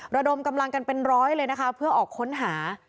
ระดมกำลังกันเป็นร้อยเลยนะคะเพื่อออกค้นหา